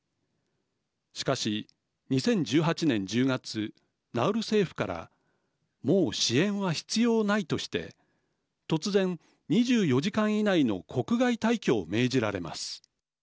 しかし、２０１８年１０月ナウル政府からもう支援は必要ないとして突然、２４時間以内の国外退去を命じられます。